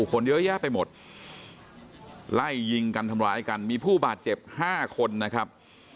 คนเยอะแยะไปหมดไล่ยิงกันทำร้ายกันมีผู้บาดเจ็บ๕คนนะครับ